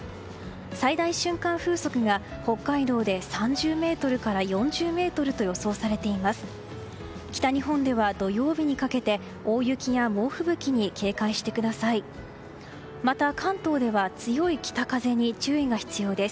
最大瞬間風速が北海道で３０メートルから４０メートルと予想されています。